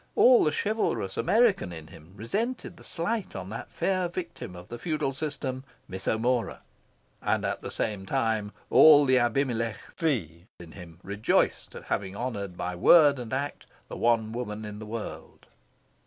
All the chivalrous American in him resented the slight on that fair victim of the feudal system, Miss O'Mora. And, at the same time, all the Abimelech V. in him rejoiced at having honoured by word and act the one woman in the world.